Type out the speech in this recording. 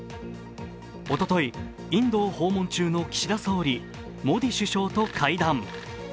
おとい、インドを訪問中の岸田総理モディ首相と会談。